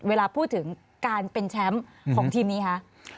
เวลาพูดถึงการเป็นแชมป์ของทีมนี้คะ